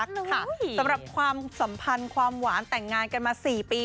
สำหรับความสัมพันธ์ความหวานแต่งงานกันมา๔ปี